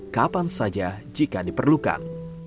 kapan saja jika diperlukan